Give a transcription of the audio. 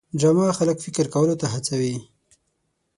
ډرامه خلک فکر کولو ته هڅوي